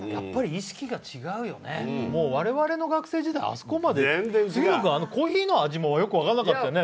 意識が違うよね、もう我々の学生時代あそこまで、コーヒーの味もよく分からなかったよね。